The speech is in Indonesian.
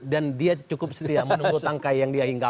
dan dia cukup setia menunggu tangkai yang dia hinggap